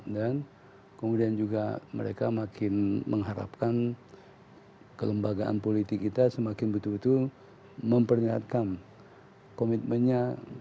dan kemudian juga mereka makin mengharapkan kelembagaan politik kita semakin betul betul mempernihatkan komitmennya